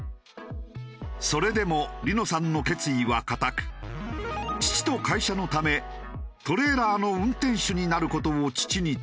それでも梨乃さんの決意は固く父と会社のためトレーラーの運転手になる事を父に伝えた。